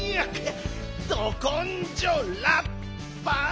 どこんじょうラッパー！